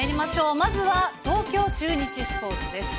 まずは東京中日スポーツです。